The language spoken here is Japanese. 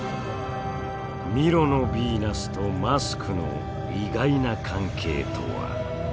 ミロのヴィーナスとマスクの意外な関係とは？